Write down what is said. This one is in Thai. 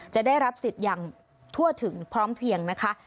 จะได้รับสิทธิ์อย่างทั่วถึงพร้อมเพียงนะคะ